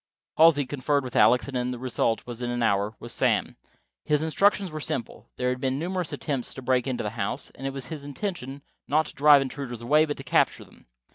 Halsey conferred with Alex, and the result, in an hour, was Sam. His instructions were simple. There had been numerous attempts to break into the house; it was the intention, not to drive intruders away, but to capture them.